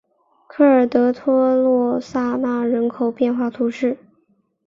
科尔德托洛萨纳人口变化图示